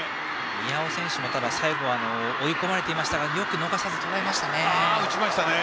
宮尾選手も最後追い込まれていましたがよく逃さずとらえました。